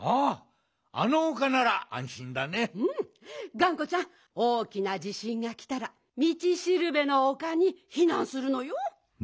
がんこちゃんおおきなじしんがきたらみちしるべのおかにひなんするのよ。